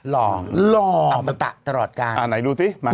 หล่ออ่ะมันตะตลอดกาลหล่ออ่าไหนดูสิมา